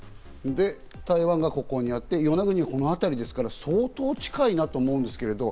台湾がここにあって、与那国はこの辺り、相当近いなと思うんですけれど。